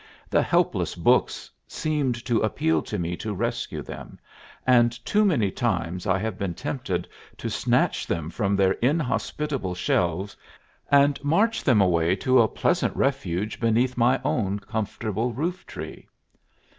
The helpless books seemed to appeal to me to rescue them, and too many times I have been tempted to snatch them from their inhospitable shelves, and march them away to a pleasant refuge beneath my own comfortable roof tree.